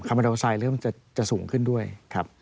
มาดาลไซด์เริ่มจะสูงขึ้นด้วยครับ